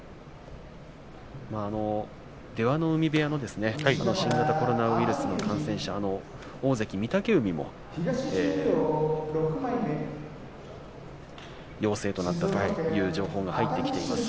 出羽海部屋の新型コロナウイルスの感染者大関御嶽海も陽性となったという情報が入ってきています。